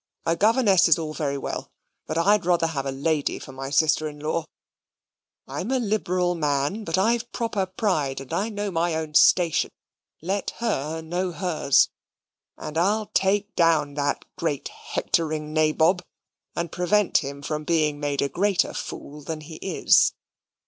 A governess is all very well, but I'd rather have a lady for my sister in law. I'm a liberal man; but I've proper pride, and know my own station: let her know hers. And I'll take down that great hectoring Nabob, and prevent him from being made a greater fool than he is.